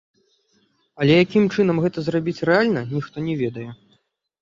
Але якім чынам гэта зрабіць рэальна, ніхто не ведае.